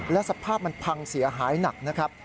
และสภาพมันพังเสียหายหนักนะครับ